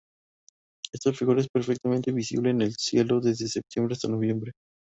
Esta figura es perfectamente visible en el cielo desde septiembre hasta noviembre.